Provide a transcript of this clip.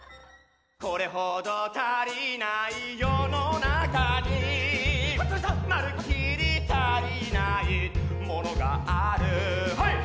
これほど足りない世の中にまるっきり足りないものがある